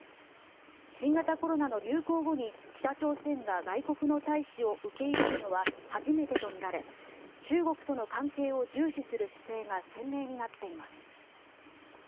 新型コロナの流行後に北朝鮮が外国の大使を受け入れるのは初めてとみられ中国との関係を重視する姿勢が鮮明になっています。